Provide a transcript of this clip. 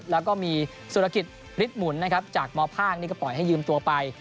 แล้วก็มีศุลกิจฤทธิ์หมุนจากมภนี่ก็ปล่อยให้ยืมตัวไป